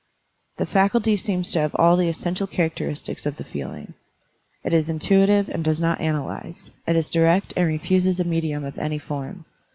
The faculty seems to have all the essential characteristics of the feeling. It is intuitive and does not analyze; it is direct and refuses a medium of any form.